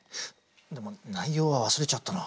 でも内容は忘れちゃったなあ。